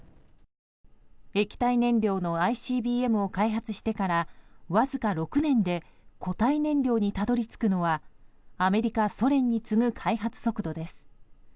液体燃料のＩＣＢＭを開発してから、わずか６年で固体燃料にたどり着くのはアメリカ、ソ連に次ぐ開発速度です。